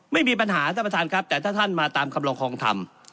ไม่มีปัญหาท่านประธานครับแต่ถ้าท่านมาตามคำลองคลองธรรม